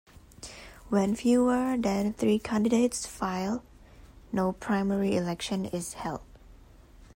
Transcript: When fewer than three candidates file, no primary election is held.